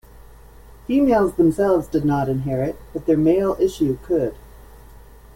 Females themselves did not inherit, but their male issue could.